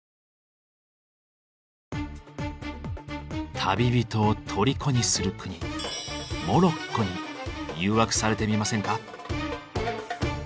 旅人を虜にする国モロッコに誘惑されてみませんか。